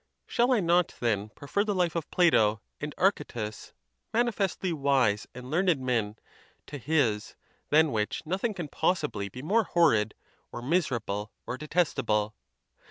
Shall I not, then, prefer the life of Plato and Archytas, manifestly wise and learned men, to his, than which nothing can possibly be more horrid, or miserable, or detestable?